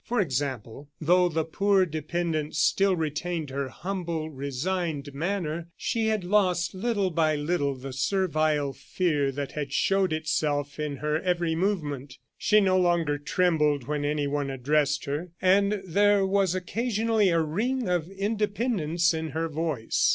For example, though the poor dependent still retained her humble, resigned manner; she had lost, little by little, the servile fear that had showed itself in her every movement. She no longer trembled when anyone addressed her, and there was occasionally a ring of independence in her voice.